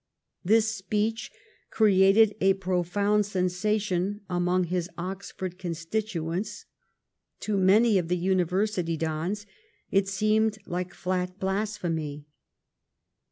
This speech created a profound sensation among his Oxford constituents. To many of the University dons it seemed like fiat blasphemy.